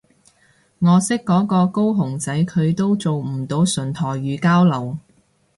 我識嗰個高雄仔佢都做唔到純台語交流